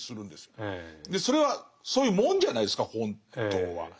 それはそういうもんじゃないですか本当は。